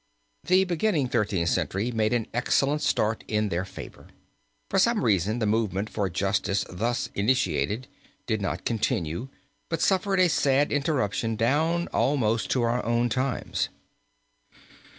The beginning Thirteenth Century made an excellent start in their favor. For some reason the movement for justice thus initiated did not continue, but suffered a sad interruption down almost to our own times.